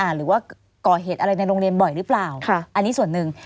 หรือว่าก่อเหตุอะไรในโรงเรียนบ่อยหรือเปล่าอันนี้ส่วนหนึ่ง